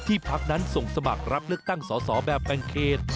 พักนั้นส่งสมัครรับเลือกตั้งสอสอแบบแบ่งเขต